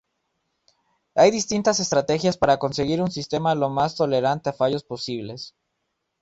Hay distintas estrategias para conseguir un sistema lo más tolerante a fallos posible.